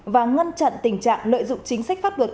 và ngăn chặn tình trạng lợi dụng chính sách pháp luật